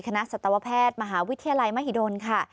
สัตวแพทย์มหาวิทยาลัยมหิดลค่ะ